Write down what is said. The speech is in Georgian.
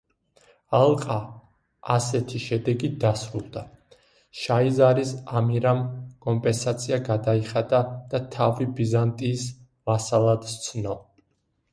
ალყა ასეთი შედეგით დასრულდა: შაიზარის ამირამ კომპენსაცია გადაიხადა და თავი ბიზანტიის ვასალად სცნო.